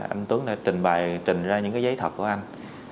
anh tuấn đã trình bày trình ra những giấy thật của anh